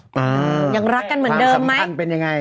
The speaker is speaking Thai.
อ่ายังรักกันเหมือนเดิมไหม